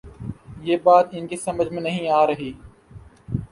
یہ بات ان کی سمجھ میں نہیں آ رہی۔